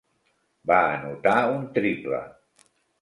Va anotar un triple.